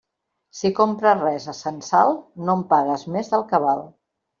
Si compres res a censal, no en pagues més del que val.